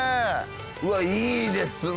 うわっいいですね。